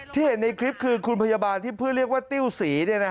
เห็นในคลิปคือคุณพยาบาลที่เพื่อเรียกว่าติ้วสี